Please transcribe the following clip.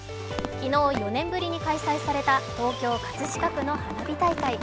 昨日４年ぶりに開催された東京・葛飾区の花火大会。